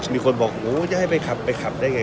มีคนบอกโอ้จะให้ไปขับไปขับได้ไง